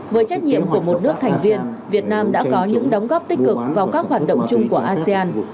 với trách nhiệm của một nước thành viên việt nam đã có những đóng góp tích cực vào các hoạt động chung của asean